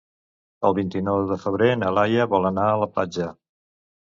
El vint-i-nou de febrer na Laia vol anar a la platja.